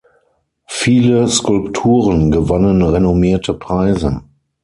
Viele Skulpturen gewannen renommierte Preise.